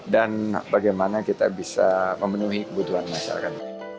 dan bagaimana kita bisa memenuhi kebutuhan masyarakat